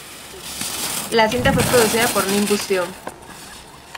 La cinta fue producida por Nimbus Film.